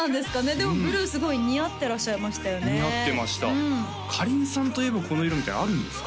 でもブルーすごい似合ってらっしゃいましたよね似合ってましたかりんさんといえばこの色みたいなのあるんですか？